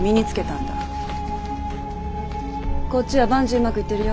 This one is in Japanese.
こっちは万事うまくいってるよ。